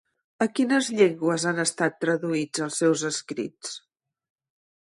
I a quines llengües han estat traduïts els seus escrits?